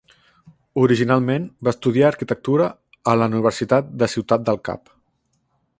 Originalment va estudiar arquitectura a la Universitat de Ciutat del Cap.